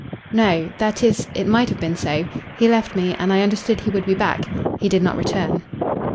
"No that is, it might have been so. He left me, and I understood he would be back. He did not return."